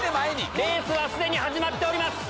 レースは既に始まっております！